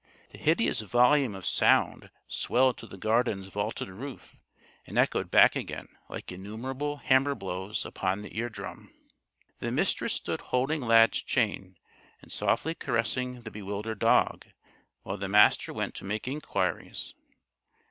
The hideous volume of sound swelled to the Garden's vaulted roof and echoed back again like innumerable hammer blows upon the eardrum. The Mistress stood holding Lad's chain and softly caressing the bewildered dog, while the Master went to make inquiries.